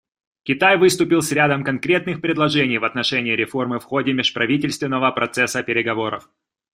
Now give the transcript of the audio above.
Китай выступит с рядом конкретных предложений в отношении реформы в ходе межправительственного процесса переговоров.